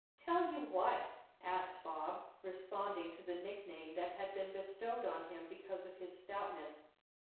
"Tell you what?" asked Bob, responding to the nickname that had been bestowed on him because of his stoutness.